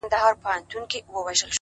د ښکلا د دُنیا موري، د شرابو د خُم لوري،